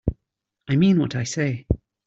I mean what I say.